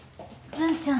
「文ちゃん」？